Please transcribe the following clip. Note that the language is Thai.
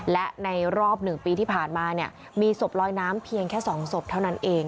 และในรอบ๑ปีที่ผ่านมาเนี่ยมีศพลอยน้ำเพียงแค่๒ศพเท่านั้นเอง